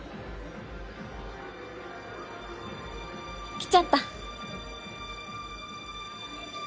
来ちゃった。